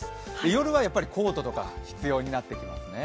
夜はコートとか必要になってきますね。